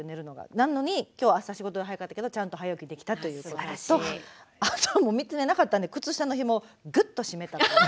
なのに今日朝仕事が早かったけどちゃんと早起きできたということとあとはもう３つ目なかったんで靴のひもをぐっとしめたという。